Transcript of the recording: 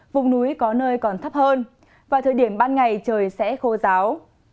vùng núi có nơi còn thấp hơn và thời điểm ban ngày trời sẽ khô giáo